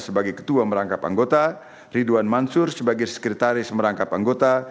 sebagai ketua merangkap anggota ridwan mansur sebagai sekretaris merangkap anggota